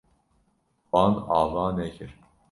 Wan ava nekir.